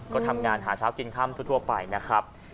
ก็ทำงานหาเช้ากินค่ำทั่วไปนะครับ